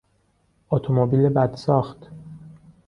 اتومبیل بد ساخت